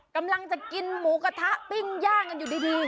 กำลังจะกินหมูกระทะปิ้งย่างกันอยู่ดี